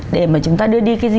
để mà chúng ta đưa đi cái gì mà